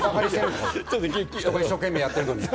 人が一生懸命やってるのに！